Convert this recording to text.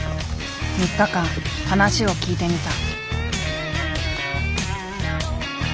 ３日間話を聞いてみた。